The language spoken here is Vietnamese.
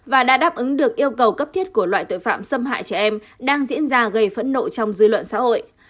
và đã đáp ứng được yêu cầu cấp thiết của loại tội phạm xâm hại trẻ em đang diễn ra gây phẫn nộ trong dư luận xã hội